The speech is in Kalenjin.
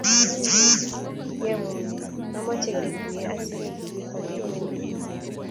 yemune amache ketuye ak inye yutok emet ne mining